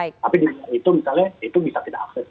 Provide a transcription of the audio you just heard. tapi di itung misalnya itu bisa kita akses